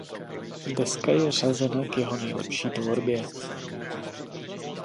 Deska je řazena k jeho nejlepší tvorbě.